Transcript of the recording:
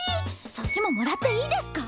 そっちももらっていいですか？